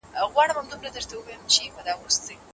سرتېرو د هغي په ناري سره بېرته جګړه پیل کړه.